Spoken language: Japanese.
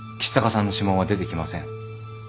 橘高さんの指紋は出てきません。